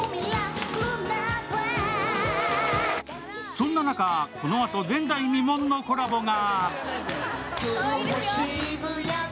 そんな中、このあと前代未聞のコラボが。